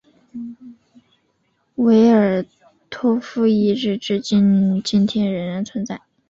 维尔托夫的遗产至今天仍然存在。